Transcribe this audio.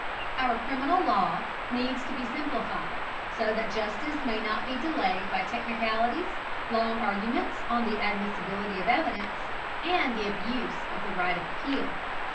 Our criminal law needs to be simplified, so that justice may not be delayed by technicalities, long arguments on the admissibility of evidence, and the abuse of the right of appeal.